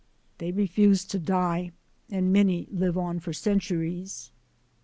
They refuse to die, and may live on for centuries.